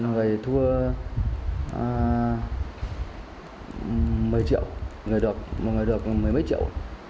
người thua một mươi triệu người được một người được một mươi mấy triệu